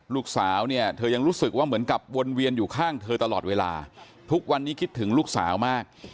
ลูกสาวเนี่ยเธอยังรู้สึกว่าเหมือนกับวนเวียนอยู่ข้างเธอตลอดเวลาทุกวันนี้คิดถึงลูกสาวมาก